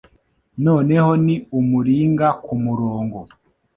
noneho ni umuringa kumurongo